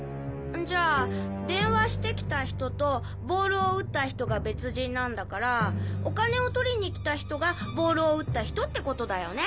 じゃあ電話してきた人とボールを撃った人が別人なんだからお金を取りに来た人がボールを撃った人ってことだよね？